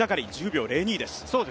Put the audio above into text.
１０秒０２です。